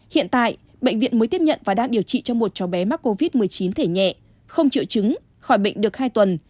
hiện tại bệnh viện mới tiếp nhận và đang điều trị cho một cháu bé mắc covid một mươi chín thể nhẹ không triệu chứng khỏi bệnh được hai tuần